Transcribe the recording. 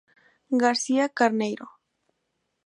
García Carneiro.